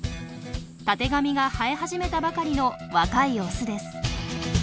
たてがみが生え始めたばかりの若いオスです。